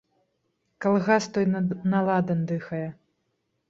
Калгас той на ладан дыхае.